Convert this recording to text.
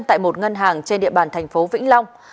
tại một ngân hàng trên địa bàn thành phố vĩnh long